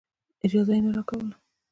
اجازه یې نه راکوله.